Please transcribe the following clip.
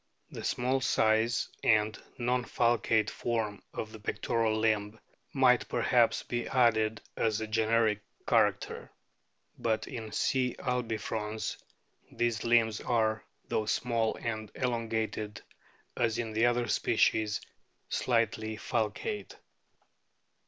The small size and non falcate form of the pectoral limb might perhaps be added as a generic character ; but in C. albifrons these limbs are, though small and elongated as in the other species, slightly falcate.